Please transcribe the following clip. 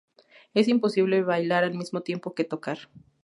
Es posible bailar al mismo tiempo que tocar.